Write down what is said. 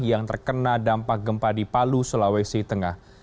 yang terkena dampak gempa di palu sulawesi tengah